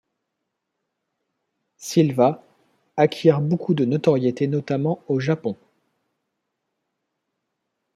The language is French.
Silva acquiert beaucoup de notoriété notamment au Japon.